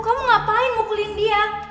kamu ngapain mukulin dia